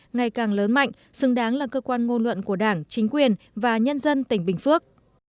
ngày càng lớn mạnh xứng đáng là cơ quan ngôn luận của đảng chính quyền và nhân dân tỉnh bình phước